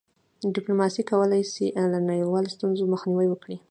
ډيپلوماسي کولی سي له نړیوالو ستونزو مخنیوی وکړي.